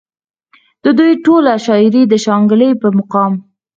د دوي ټوله شاعري د شانګلې پۀ مقامي